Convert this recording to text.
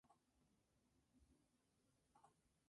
Su flota y la marca será transferida a Kuban Airlines.